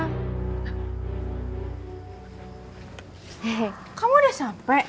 hei kamu udah sampe